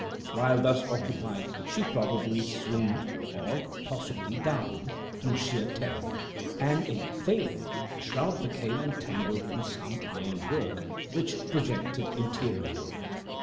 While thus occupied, she probably swooned, or possibly died, through sheer terror; and, in failing, her shroud became entangled in some iron work which projected interiorly.